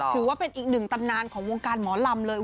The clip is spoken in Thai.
ถือว่าเป็นอีกหนึ่งตำนานของวงการหมอลำเลย